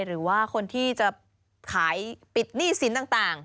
หรือว่าคนที่จะขายปิดหนี้สินต่าง